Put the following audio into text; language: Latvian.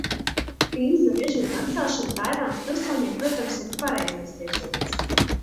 Vīzu režīma atcelšana Taivānas pilsoņiem, protams, ir pareizais virziens.